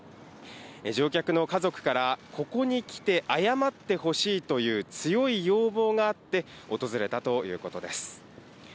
乗客の家族からここに来て、謝ってほしいという強い要望があって、訪れたということです。